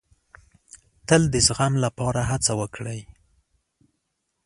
تل د زغم لپاره هڅه وکړئ.